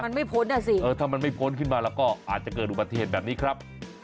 มันไม่พ้นอ่ะสิเออถ้ามันไม่พ้นขึ้นมาแล้วก็อาจจะเกิดอุบัติเหตุแบบนี้ครับ